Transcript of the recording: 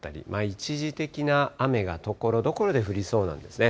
一時的な雨がところどころで降りそうなんですね。